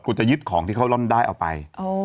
คุณจะยึดของที่เขาร่อนได้เอาไป